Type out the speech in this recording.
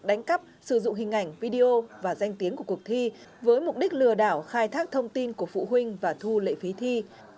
đánh cắp sử dụng hình ảnh video và danh tiếng của cuộc thi với mục đích lừa đảo khai thác thông tin của phụ huynh và thu lệ phí thi